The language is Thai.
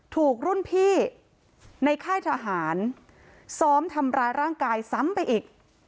ถูกรุ่นพี่ในค่ายทหารซ้อมทำร้ายร่างกายซ้ำไปอีก